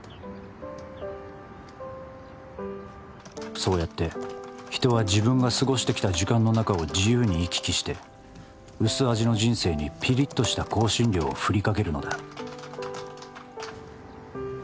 「そうやって人は自分が過ごしてきた時間の中を自由に行き来して薄味の人生にぴりっとした香辛料を振りかけるのだ」